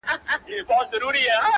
باد د غوجلې شاوخوا ګرځي او غلی غږ لري،